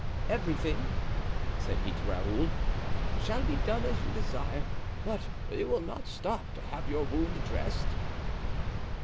"Everything," said he to Raoul, "shall be done as you desire; but you will not stop to have your wound dressed?"